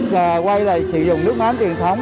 và quay lại sử dụng nước mắm truyền thống